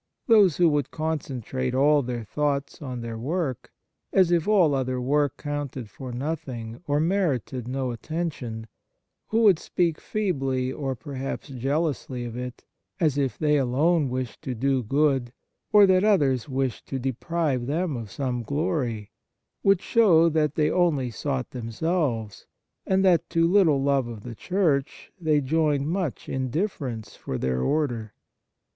Those who would concentrate all their thoughts on their own work, as if all other work counted for nothing or merited no attention, who would speak feebly or per haps jealously of it, as if they alone wished to do good, or that others wished to deprive them of some glory, would show that they only sought themselves, and that to little 37 Fraternal Charity love of the Church they joined much indif ference for their Order.